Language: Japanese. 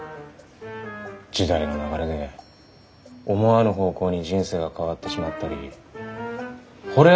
時代の流れで思わぬ方向に人生が変わってしまったりほれ